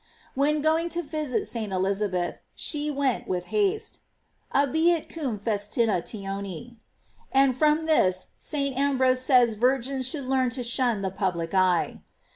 § When going to visit St. Elizabeth, She went with haste: "Abiit cum festinatione;" and from this St. Ambrose says virgins should learn to shun the public eye.